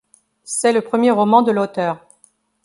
C’est le premier roman de l’auteur.